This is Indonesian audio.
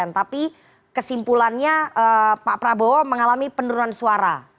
tapi kesimpulannya pak prabowo mengalami penurunan suara